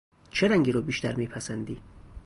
چه رنگی رو بیشتر میپسندی